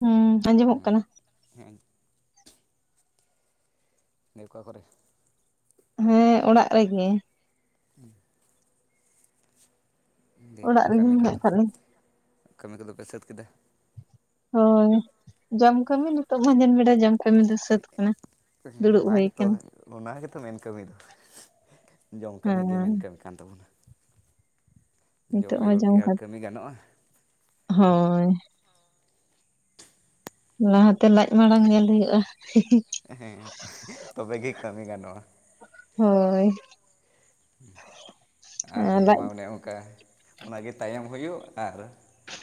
ᱦᱩᱸ, ᱟᱸᱡᱚᱢᱚᱜ ᱠᱟᱱᱟ ᱾ ᱦᱮᱸ ᱾ ᱱᱮ ᱚᱠᱟ ᱠᱚᱨᱮ? ᱦᱮᱸ, ᱚᱲᱟᱜ ᱨᱮᱜᱮ ᱾ [inaudible] ᱚᱲᱟᱜ ᱨᱮᱜᱮ ᱠᱟᱹᱢᱤ ᱢᱮᱱᱟᱜ ᱠᱚᱫᱚ ᱠᱟᱜ ᱞᱤᱧ ᱾ ᱠᱟᱹᱢᱤ ᱠᱚᱫᱚ ᱯᱮ ᱥᱟᱹᱛ ᱠᱮᱫᱟ? ᱦᱳᱭ, ᱡᱚᱢ ᱠᱟᱹᱢᱤ ᱱᱤᱛᱚᱜ ᱢᱟᱡᱟᱱ ᱵᱮᱲᱟ ᱡᱚᱢ ᱠᱟᱹᱢᱤ ᱫᱚ ᱥᱟᱹᱛ ᱠᱟᱱᱟ ᱾ ᱚᱱᱟ ᱜᱮᱛᱚ ᱚᱱᱟ ᱜᱮᱛᱚ ᱢᱮᱱ ᱠᱟᱹᱢᱤ ᱫᱚ, ᱡᱚᱢ ᱠᱟᱹᱢᱤ ᱜᱮ ᱦᱮᱸ ᱢᱮᱱ ᱠᱟᱹᱢᱤ ᱠᱟᱱ ᱛᱟᱵᱚᱱᱟ ᱱᱤᱛᱚᱜ ᱡᱚᱢ ᱢᱟ ᱵᱮᱜᱚᱨ ᱠᱤ ᱟᱨ ᱠᱟᱛᱮ ᱠᱟᱹᱢᱤ ᱜᱟᱱᱚᱜᱼᱟ ᱾ ᱦᱳᱭ ᱾ ᱞᱟᱦᱟᱛᱮ ᱞᱟᱡ ᱢᱟᱲᱟᱝ ᱧᱮᱞ ᱦᱩᱭᱩᱜᱼᱟ ᱾ ᱦᱮᱸ, ᱛᱚᱵᱮ ᱜᱮ ᱠᱟᱹᱢᱤ ᱜᱟᱱᱚᱜᱼᱟ ᱾ ᱦᱳᱭ ᱾ ᱟᱨ ᱱᱤᱭᱟᱹ ᱞᱟᱡ ᱢᱟ ᱚᱱᱮ ᱚᱱᱠᱟ ᱚᱱᱟ ᱜᱮ ᱛᱟᱭᱚᱢ ᱦᱩᱭᱩᱜ ᱟᱨ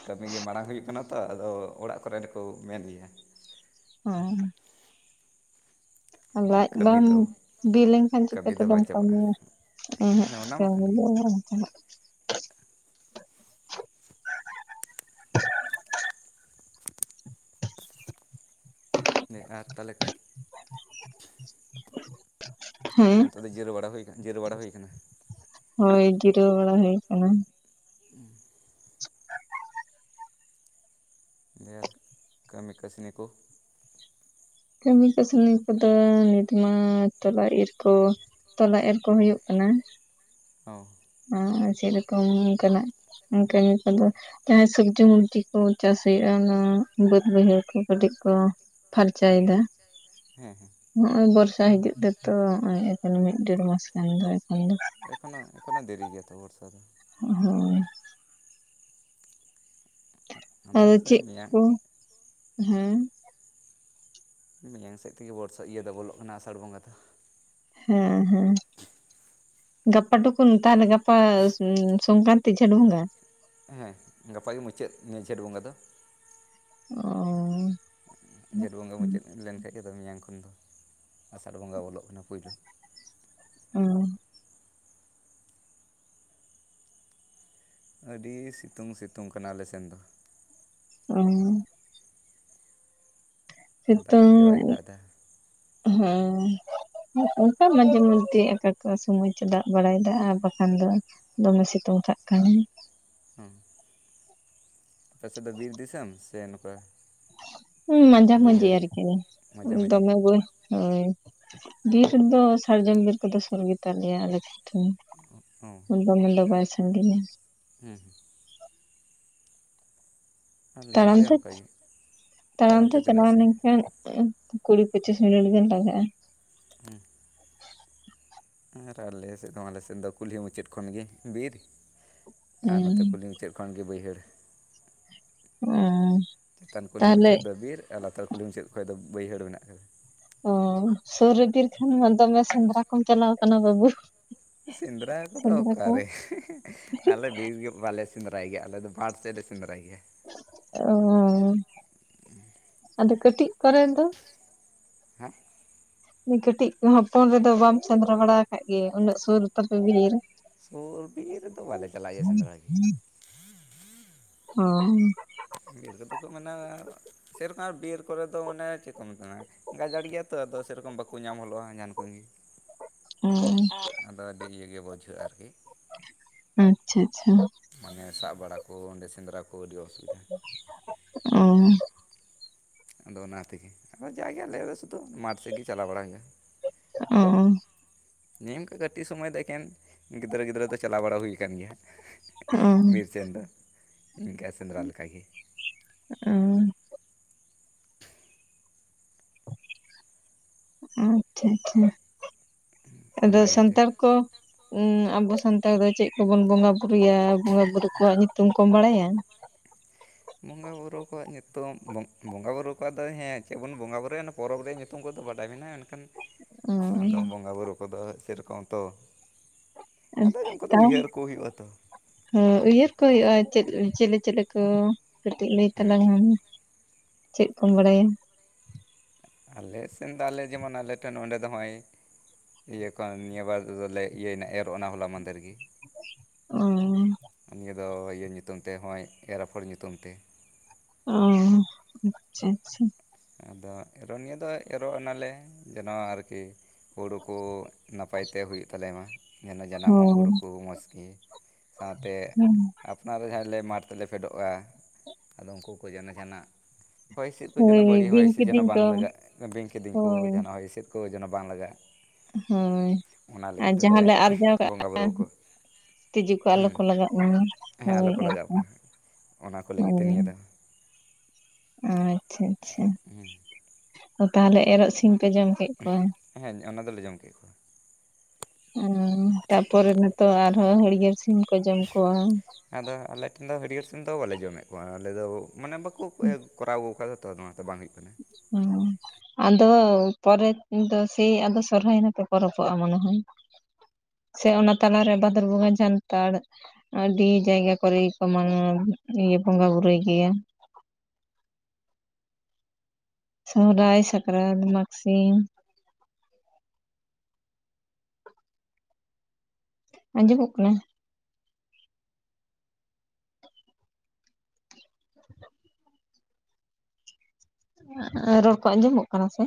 ᱠᱟᱹᱢᱤ ᱜᱮ ᱢᱟᱲᱟᱝ ᱦᱩᱭᱩᱜ ᱠᱟᱱᱟ ᱛᱚ, ᱟᱫᱚ ᱚᱲᱟᱜ ᱠᱚᱨᱮ ᱫᱚᱠᱚ ᱢᱮᱱ ᱜᱮᱭᱟ ᱾ ᱚ ᱾ ᱡᱮ ᱞᱟᱡ ᱠᱟᱹᱢᱤ ᱵᱟᱢ ᱫᱚ ᱵᱤ ᱞᱮᱱᱠᱷᱟᱱ ᱠᱟᱹᱢᱤ ᱪᱤᱠᱟᱹᱛᱮ ᱫᱚ ᱵᱟᱢ ᱵᱟᱝ ᱪᱟᱵᱟᱜᱼᱟ ᱠᱟᱹᱢᱤᱭᱟ ᱾ ᱩᱸᱦᱩᱸᱜ, ᱦᱮᱸ ᱚᱱᱟ ᱢᱟ ᱠᱟᱹᱢᱤ ᱠᱟᱱ ᱫᱚ ᱜᱮ ᱵᱟᱝ ᱜᱟᱱᱚᱜ ᱾ ᱮ ᱟᱨ ᱛᱟᱦᱚᱞᱮ ᱠᱷᱟᱡ [unintelligible] ᱦᱮᱸ ᱱᱤᱛᱚᱜ ᱫᱚ ᱡᱤᱨᱟᱹ ᱵᱟᱲᱟ ᱦᱩᱭ ᱟᱠᱟᱱᱟ, ᱡᱤᱨᱟᱹ ᱵᱟᱲᱟ ᱦᱩᱭ ᱟᱠᱟᱱᱟ ᱾ ᱦᱳᱭ, ᱡᱤᱨᱟᱹᱣ ᱵᱟᱲᱟ ᱦᱩᱭ ᱟᱠᱟᱱᱟ ᱾ ᱩᱦᱩᱸ ᱾ [unintelligible] ᱰᱮᱨ ᱠᱟᱹᱢᱤ ᱠᱟᱹᱥᱱᱤ ᱠᱚ ᱠᱟᱹᱢᱤ ᱠᱟᱹᱥᱱᱤ ᱠᱚᱫᱚ ᱱᱤᱛ ᱢᱟ ᱛᱚᱞᱟ ᱤᱨ ᱠᱚ ᱛᱚᱞᱟ ᱮᱨ ᱠᱚ ᱦᱳᱭᱳᱜ ᱚ ᱠᱟᱱᱟ ᱚ ᱟᱨ ᱥᱮᱨᱚᱠᱚᱢ ᱚᱱᱠᱟᱱᱟᱜ ᱠᱟᱢᱤ ᱠᱚᱫᱚ ᱡᱟᱦᱟᱸᱭ ᱥᱚᱵᱽᱡᱤ ᱢᱚᱵᱡᱤ ᱠᱚ ᱪᱟᱥ ᱦᱩᱭᱩᱜᱼᱟ ᱚᱱᱟ ᱵᱟᱹᱫ ᱵᱟᱹᱭᱦᱟᱹᱲ ᱠᱚ ᱠᱟᱹᱴᱤᱡ ᱠᱚ ᱯᱷᱟᱨᱪᱟᱭ ᱮᱫᱟ ᱦᱮᱸ ᱦᱮᱸ ᱱᱚᱜᱼᱚᱭ ᱵᱚᱨᱥᱟ ᱦᱤᱡᱩᱜ ᱛᱮᱛᱚ ᱱᱚᱜᱼᱚᱭ ᱮᱠᱷᱚᱱ ᱢᱤᱫ ᱰᱮᱲ ᱢᱟᱥ ᱜᱟᱱ ᱫᱚ ᱮᱠᱷᱚᱱ ᱫᱚ ᱮᱠᱷᱚᱱᱚ ᱮᱠᱷᱚᱱᱚ ᱫᱮᱨᱤ ᱜᱮᱭᱟᱛᱚ ᱵᱚᱨᱥᱟ ᱫᱚ ᱦᱳᱭ ᱟᱫᱚ ᱥᱮᱭ ᱪᱮᱫ ᱢᱮᱭᱟᱝ ᱠᱚ ᱦᱮᱸ ᱢᱮᱭᱟᱝ ᱥᱮᱫ ᱛᱮᱜᱮ ᱵᱚᱨᱥᱟ ᱤᱭᱟᱹ ᱫᱚ ᱵᱚᱞᱚᱜ ᱠᱟᱱᱟ ᱟᱥᱟᱲ ᱵᱚᱸᱜᱟ ᱫᱚ ᱦᱮᱸ ᱦᱮᱸ ᱜᱟᱯᱟ ᱴᱩᱠᱩᱱ ᱛᱟᱦᱚᱞᱮ ᱜᱟᱯᱟ ᱩ ᱥᱚᱝᱠᱨᱟᱱᱛᱤ ᱡᱷᱮᱴ ᱵᱚᱸᱜᱟ ᱜᱟᱯᱟᱜᱮ ᱢᱩᱪᱟᱹᱫ ᱡᱷᱮᱸᱴ ᱵᱚᱸᱜᱟ ᱫᱚ ᱚᱻ ᱡᱷᱮᱸᱴ ᱵᱚᱸᱜᱟ ᱢᱩᱪᱟᱹᱫ ᱞᱮᱱᱠᱷᱟᱡ ᱜᱮ ᱢᱮᱭᱟᱝ ᱠᱷᱚᱱ ᱫᱚ ᱟᱥᱟᱲ ᱵᱚᱸᱜᱟ ᱵᱚᱞᱚᱜ ᱠᱟᱱᱟ ᱯᱩᱭᱞᱩ ᱚ ᱟᱹᱰᱤ ᱥᱤᱛᱩᱝ ᱥᱤᱛᱩᱝ ᱠᱟᱱᱟ ᱟᱞᱮ ᱥᱮᱱ ᱫᱚ ᱦᱩᱸ ᱥᱤᱛᱩᱝ ᱫᱟᱜ ᱜᱮ ᱵᱟᱭ ᱫᱟᱜ ᱮᱫᱟ ᱦᱩᱸ ᱚᱱᱠᱟ ᱢᱟᱡᱷᱮ ᱢᱚᱫᱫᱷᱮ ᱚᱠᱟ ᱠᱚ ᱥᱚᱢᱚᱭ ᱪᱚ ᱫᱟᱜ ᱵᱟᱲᱟᱭᱮᱫᱟ ᱟᱨ ᱵᱟᱠᱷᱟᱱ ᱫᱚ ᱫᱚᱢᱮ ᱥᱤᱛᱩᱝ ᱠᱟᱜ ᱠᱟᱱᱟᱭ ᱦᱚᱸ ᱟᱯᱮ ᱥᱮᱫ ᱫᱚ ᱵᱤᱨ ᱫᱤᱥᱚᱢ ᱥᱮ ᱱᱚᱝᱠᱟ ᱦᱩᱸ ᱢᱟᱡᱷᱟ ᱢᱟᱹᱡᱷᱤ ᱵᱟᱹᱭᱦᱟᱹᱲ ᱜᱮ ᱟᱨᱠᱤ ᱢᱟᱡᱷᱟ ᱢᱟᱹᱡᱷᱤ ᱫᱚᱢᱮ ᱦᱳᱭ ᱵᱤᱨ ᱨᱮᱫᱚ ᱥᱟᱨᱡᱚᱢ ᱵᱤᱨ ᱠᱚᱫᱚ ᱥᱩᱨ ᱜᱮ ᱛᱟᱞᱮᱭᱟ ᱟᱞᱮ ᱴᱷᱮᱱ ᱚ ᱫᱚᱢᱮ ᱫᱚ ᱵᱟᱭ ᱥᱟᱺᱜᱤᱧᱟ ᱦᱮᱸ ᱟᱞᱮ ᱥᱮᱫ ᱛᱟᱲᱟᱢᱛᱮ ᱚᱱᱠᱟ ᱜᱮ ᱛᱟᱲᱟᱢ ᱛᱟᱲᱟᱢᱛᱮ ᱛᱮ ᱛᱤᱱᱟᱹᱜ ᱪᱟᱞᱟᱣ ᱥᱟᱺᱜᱤᱧ ᱞᱮᱱᱠᱷᱟᱱ ᱠᱩᱲᱤ ᱯᱚᱸᱪᱤᱥ ᱢᱤᱱᱤᱴ ᱜᱟᱱ ᱞᱟᱜᱟᱜᱼᱟ ᱟᱨ ᱟᱞᱮ ᱥᱮᱫ ᱫᱚ ᱟᱞᱮᱥᱮᱫ ᱫᱚ ᱠᱩᱞᱦᱤ ᱢᱩᱪᱟᱹᱫ ᱠᱷᱚᱱᱜᱮ ᱵᱤᱨ ᱟᱨ ᱱᱚᱛᱮ ᱦᱩᱸ ᱠᱩᱞᱦᱤ ᱢᱩᱪᱟ. ᱫ ᱠᱷᱚᱱ ᱜᱮ ᱵᱟᱹᱭᱦᱟᱹᱲ ᱚᱸ ᱪᱮᱛᱟᱱ ᱠᱩᱞᱦᱤ ᱢᱩᱪᱟᱹᱫ ᱫᱚ ᱵᱤᱨ ᱟᱨ ᱞᱟᱛᱟᱨ ᱠᱩᱞᱦᱤ ᱢᱩᱪᱟᱹᱫ ᱠᱷᱚᱱ ᱫᱚ ᱵᱟᱹᱭᱦᱟᱹᱲ ᱢᱮᱱᱟᱜ ᱠᱟᱫᱟ ᱚ ᱥᱩᱨ ᱨᱮ ᱵᱤᱨ ᱠᱷᱟᱱ ᱢᱟ ᱫᱚᱢᱮ ᱥᱮᱸᱫᱽᱨᱟ ᱠᱚᱢ ᱪᱟᱞᱟᱣ ᱠᱟᱱᱟ ᱵᱟᱹᱵᱩ ᱥᱮᱸᱫᱽᱨᱟ ᱠᱚᱫᱚ ᱥᱮᱸᱫᱽᱨᱟ ᱠᱚ ᱚᱠᱟᱨᱮ ᱟᱞᱮ ᱵᱤᱨ ᱜᱮ ᱵᱟᱞᱮ ᱥᱮᱸᱫᱽᱨᱟᱭ ᱜᱮᱭᱟ ᱟᱞᱮ ᱫᱚ ᱢᱟᱴ ᱥᱮᱫ ᱞᱮ ᱥᱮᱸᱫᱽᱨᱟᱭ ᱜᱮᱭᱟ ᱚ ᱟᱫᱚ ᱠᱟᱹᱴᱤᱡ ᱠᱚᱨᱮ ᱫᱚ ᱮᱸᱜ ᱠᱟᱹᱴᱤᱡ ᱦᱚᱯᱚᱱ ᱨᱮᱫᱚ ᱵᱟᱢ ᱥᱮᱸᱫᱽᱨᱟ ᱵᱟᱲᱟ ᱟᱠᱟᱫ ᱜᱮ ᱩᱱᱟᱹᱜ ᱥᱩᱨ ᱨᱮ ᱛᱟᱯᱮ ᱵᱤᱨ ᱥᱩᱨ ᱵᱤᱨ ᱨᱮᱫᱚ ᱵᱟᱞᱮ ᱪᱟᱞᱟᱜ ᱜᱮᱭᱟ ᱥᱮᱸᱫᱽᱨᱟ ᱜᱮ ᱚᱸ ᱵᱤᱨ ᱠᱚᱫᱚ ᱠᱚ ᱢᱮᱱᱮ ᱥᱮᱨᱚᱠᱚᱢ ᱵᱤᱨ ᱠᱚᱨᱮ ᱫᱚ ᱢᱟᱱᱮ ᱪᱮᱫ ᱠᱚ [unintelligible] ᱜᱟᱡᱟᱲ ᱜᱮᱭᱟ ᱛᱚ ᱟᱫᱚ ᱥᱮᱨᱚᱠᱚᱢ ᱵᱟᱠᱚ ᱧᱟᱢ ᱦᱚᱞᱚᱜᱼᱟ ᱡᱟᱦᱟᱱ ᱠᱚᱜᱮ ᱚ ᱟᱫᱚ ᱟᱹᱰᱤ ᱤᱭᱟᱹ ᱜᱮ ᱵᱩᱡᱷᱟᱹᱜᱼᱟ ᱟᱨᱠᱤ ᱟᱪᱪᱷᱟ ᱟᱪᱪᱷᱟ ᱢᱟᱱᱮ ᱥᱟᱵ ᱵᱟᱲᱟ ᱠᱚ ᱚᱸᱰᱮ ᱥᱮᱸᱫᱽᱨᱟ ᱠᱚ ᱟᱹᱰᱤ ᱚᱥᱩᱵᱤᱫᱷᱟ ᱚ ᱟᱫᱚ ᱚᱱᱟ ᱛᱮᱜᱮ ᱟᱫᱚ ᱡᱟᱜᱮ ᱟᱞᱮ ᱫᱚ ᱥᱩᱫᱷᱩ ᱢᱟᱴᱷ ᱥᱮᱫ ᱜᱮ ᱪᱟᱞᱟ ᱵᱟᱲᱟ ᱦᱩᱭᱩᱜᱼᱟ ᱚᱻ ᱱᱤᱱᱠᱟᱹ ᱠᱟᱹᱴᱤᱡ ᱥᱚᱢᱚᱭ ᱫᱚ ᱮᱠᱮᱱ ᱜᱤᱫᱽᱨᱟᱹ ᱜᱤᱫᱽᱨᱟᱹ ᱫᱚ ᱪᱟᱞᱟᱣ ᱵᱟᱲᱟ ᱦᱩᱭ ᱠᱟᱱ ᱜᱮᱭᱟ ᱚ ᱵᱤᱨ ᱥᱮᱫ ᱫᱚ ᱤᱱᱠᱟᱹ ᱥᱮᱸᱫᱽᱨᱟ ᱞᱮᱠᱟᱜᱮ ᱩ ᱟᱪᱪᱷᱟ ᱟᱪᱪᱷᱟ ᱟᱫᱚ ᱚᱱᱟ ᱤᱭᱟᱹᱛᱮ ᱥᱟᱱᱛᱟᱲ ᱠᱚ ᱩ ᱟᱵᱚ ᱥᱟᱱᱛᱟᱲ ᱫᱚ ᱪᱮᱫ ᱠᱚᱵᱚᱱ ᱵᱚᱸᱜᱟ ᱵᱩᱨᱩᱭᱟ ᱵᱚᱸᱜᱟ ᱵᱩᱨᱩ ᱠᱚᱣᱟᱜ ᱧᱩᱛᱩᱢ ᱠᱚᱢ ᱵᱟᱲᱟᱭᱟ? ᱵᱚᱸᱜᱟ ᱵᱩᱨᱩ ᱠᱚᱣᱟᱜ ᱧᱩᱛᱩᱢ ᱵᱚᱸᱜᱟ ᱵᱩᱨᱩ ᱠᱚᱣᱟᱜ ᱫᱚ ᱦᱮᱸ ᱪᱮᱫ ᱵᱚᱱ ᱵᱚᱸᱜᱟ ᱵᱩᱨᱩᱭᱟ ᱯᱚᱨᱚᱵᱽ ᱨᱮᱭᱟᱜ ᱧᱩᱛᱩᱢ ᱠᱚᱫᱚ ᱵᱟᱰᱟᱭ ᱢᱮᱱᱟᱜᱼᱟ ᱮᱱᱠᱷᱟᱱ ᱚ ᱟᱫᱚ ᱵᱚᱸᱜᱟᱼᱵᱩᱨᱩ ᱠᱚᱫᱚ ᱥᱮᱨᱚᱠᱚᱢ ᱛᱚ ᱟᱫᱚ ᱩᱱᱠᱩ ᱫᱚ ᱩᱭᱦᱟᱹᱨ ᱠᱚ ᱦᱩᱭᱩᱜ ᱟ ᱛᱚ ᱦᱮ ᱩᱭᱦᱟᱹᱨ ᱠᱚ ᱦᱩᱭᱩᱜᱼᱟ ᱪᱮᱫ ᱪᱮᱞᱮ ᱪᱮᱞᱮ ᱠᱚ ᱠᱟᱹᱴᱤᱡ ᱞᱟᱹᱭ ᱦᱮᱸ ᱛᱟᱞᱟᱝ ᱢᱮ ᱪᱮᱫ ᱠᱚᱢ ᱵᱟᱲᱟᱭᱟ ᱟᱞᱮ ᱥᱮᱱ ᱫᱚ ᱟᱞᱮ ᱡᱮᱢᱚᱱ ᱟᱞᱮ ᱴᱷᱮᱱ ᱚᱸᱰᱮ ᱫᱚ ᱦᱚᱜᱼᱚᱭ ᱤᱭᱟᱹ ᱠᱷᱚᱱ ᱱᱤᱭᱟᱹ ᱵᱟᱨᱫᱚᱞᱮ ᱤᱭᱟᱹᱭ ᱱᱟ ᱮᱨᱚᱜᱱᱟ ᱦᱚᱞᱟ ᱢᱟᱫᱷᱮᱨ ᱜᱮ ᱚ ᱱᱤᱭᱟᱹ ᱫᱚ ᱤᱭᱟᱹ ᱧᱩᱛᱩᱢ ᱛᱮ ᱦᱚᱜᱼᱚᱸᱚᱭ ᱮᱨᱟᱯᱷᱚᱲ ᱧᱩᱛᱩᱢᱛᱮ ᱚ ᱟᱪᱪᱷᱟ ᱟᱪᱪᱷᱟ ᱟᱫᱚ ᱮᱨᱚᱜ ᱱᱤᱭᱟᱹ ᱫᱚ ᱮᱨᱚᱜ ᱮᱱᱟᱞᱮ ᱡᱮᱱᱚ ᱟᱨᱠᱤ ᱦᱩᱲᱩ ᱠᱚ ᱱᱟᱯᱟᱭ ᱛᱮ ᱦᱩᱭᱩᱜ ᱛᱟᱞᱮᱢᱟ ᱡᱮᱱᱚ ᱡᱟᱱᱟᱢᱚᱜ ᱦᱩᱲᱩ ᱦᱳᱭ ᱠᱚ ᱢᱚᱡᱽ ᱜᱮ ᱥᱟᱶᱛᱮ ᱟᱯᱱᱟᱨ ᱨᱮ ᱡᱟᱦᱟᱸ ᱞᱮ ᱢᱟᱴᱷ ᱛᱮᱞᱮ ᱯᱷᱮᱰᱚᱜᱼᱟ ᱟᱫᱚ ᱩᱱᱠᱩ ᱠᱚ ᱡᱮᱱᱚ ᱡᱟᱦᱟᱱᱟᱜ ᱦᱚᱭ ᱦᱤᱸᱥᱤᱫ ᱠᱚ ᱦᱳᱭ ᱡᱮᱱᱚ ᱵᱟᱹᱲᱤᱡ ᱦᱚᱭ ᱵᱤᱧ ᱦᱤᱸᱥᱤᱫ ᱡᱮᱱᱚ ᱠᱤᱫᱤᱧ ᱠᱚ ᱵᱟᱝ ᱞᱟᱜᱟᱜ ᱵᱤᱧ ᱠᱤᱫᱤᱧ ᱠᱚ ᱦᱳᱭ ᱡᱟᱦᱟ ᱦᱚᱭ ᱦᱤᱸᱥᱤᱫ ᱠᱚ ᱡᱮᱱᱚ ᱵᱟᱝ ᱞᱟᱜᱟᱜ ᱦᱳᱭ ᱚᱱᱟ ᱟᱨ ᱞᱟᱹᱜᱤᱫ ᱡᱟᱦᱟᱸ ᱛᱮᱞᱮ ᱞᱮ ᱟᱨᱡᱟᱣ ᱠᱟᱜᱼᱟ ᱵᱚᱸᱜᱟᱵᱩᱨᱩ ᱟᱠᱚᱣᱟ ᱛᱤᱡᱩ ᱠᱚ ᱟᱞᱚ ᱠᱚ ᱦᱩᱸ ᱞᱟᱜᱟᱜ ᱢᱟ ᱦᱮᱸ ᱦᱳᱭ ᱟᱞᱚ ᱠᱚ ᱞᱟᱜᱟᱣᱼᱟ ᱚᱱᱟ ᱠᱚ ᱞᱟᱹᱜᱤᱫ ᱛᱮ ᱱᱤᱭᱟᱹ ᱫᱚᱼᱼ ᱚ ᱟᱪᱪᱷᱟ ᱟᱪᱪᱷᱟ ᱦᱮᱸ ᱛᱟᱦᱚᱞᱮ ᱮᱨᱚᱜ ᱥᱤᱢ ᱯᱮ ᱡᱚᱢ ᱠᱮᱫ ᱠᱚᱣᱟ᱾ ᱦᱮᱸ ᱚᱱᱟ ᱫᱚᱞᱮ ᱡᱚᱢ ᱠᱮᱫ ᱠᱚᱣᱟ᱾ ᱛᱟᱯᱚᱨᱮ ᱱᱤᱛᱚᱜ ᱟᱨᱦᱚᱸ ᱦᱟᱹᱲᱭᱟᱹᱲ ᱥᱤᱢ ᱠᱚ ᱡᱚᱢ ᱠᱚᱣᱟ᱾ ᱟᱫᱚ ᱟᱞᱮᱴᱷᱮᱱ ᱫᱚ ᱦᱟᱹᱲᱭᱟᱹᱲ ᱥᱤᱢ ᱫᱚ ᱵᱟᱞᱮ ᱡᱚᱢᱮᱫ ᱠᱚᱣᱟ ᱟᱞᱮᱫᱚ ᱢᱟᱱᱮ ᱵᱟᱠᱚ ᱠᱚᱨᱟᱣ ᱟᱹᱜᱩ ᱟᱠᱟᱫᱟᱼᱼ ᱛᱚ ᱱᱚᱣᱟ ᱫᱚ ᱵᱟᱝ ᱦᱩᱭᱩᱜ ᱠᱟᱱᱟ᱾ ᱦᱩᱸ ᱟᱫᱚ ᱯᱚᱨᱮ ᱫᱚ ᱥᱮᱭ ᱟᱫᱚ ᱥᱚᱨᱦᱟᱭ ᱱᱟᱛᱮ ᱯᱚᱨᱚᱵᱚᱜᱼᱟ ᱢᱚᱱᱮ ᱦᱚᱭ ᱥᱮ ᱚᱱᱟ ᱛᱟᱞᱟᱨᱮ ᱵᱷᱟᱫᱚᱨ ᱵᱚᱸᱜᱟ ᱡᱟᱱᱛᱷᱟᱲ ᱟᱹᱰᱤ ᱡᱟᱭᱜᱟ ᱠᱚᱨᱮ ᱜᱮᱠᱚ ᱢᱟᱱᱟᱣᱟ ᱵᱚᱸᱜᱟ ᱵᱩᱨᱩᱭ ᱜᱮᱭᱟ᱾ ᱥᱚᱦᱚᱨᱟᱭ ᱥᱟᱠᱨᱟᱛ ᱢᱟᱜᱷ ᱥᱤᱢ ᱟᱸᱡᱚᱢᱚᱜ ᱠᱟᱱᱟ᱾ [inaudible] ᱨᱚᱲ ᱠᱚ ᱟᱸᱡᱚᱢᱚᱜ ᱠᱟᱱᱟ ᱥᱮ?